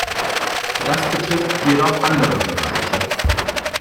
Das betrifft jedoch andere Bereiche.